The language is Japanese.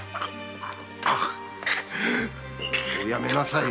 おやめなさい。